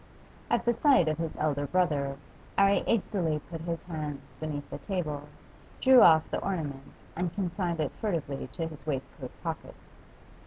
At the sight of his elder brother, 'Arry hastily put his hands beneath the table, drew off the ornament, and consigned it furtively to his waistcoat pocket.